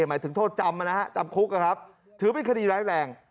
หมายถึงโทษจำจำคุกถือเป็นคดีแรง